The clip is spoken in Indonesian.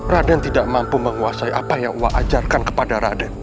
raden tidak mampu menguasai apa yang allah ajarkan kepada raden